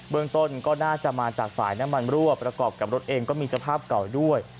เมืองต้นก็น่าจะมาจากสายน้ำมันรั่วประกอบกับรถเองก็มีสภาพเก่าด้วย